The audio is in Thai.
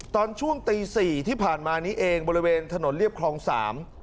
ตอนช่วงตีสี่ที่ผ่านมานี้เองบริเวณถนนเรียบคลองสาม